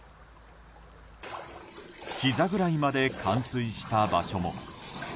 ひざぐらいまで冠水した場所も。